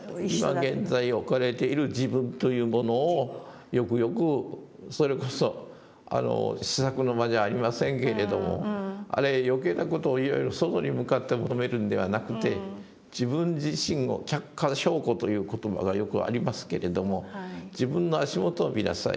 今現在置かれている自分というものをよくよくそれこそ思索の間じゃありませんけれどもあれ余計な事をいろいろ外に向かって求めるんではなくて自分自身を「脚下照顧」という言葉がよくありますけれども自分の足元を見なさい。